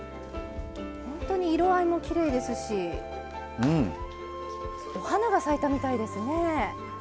本当に色合いもきれいですしお花が咲いたみたいですね。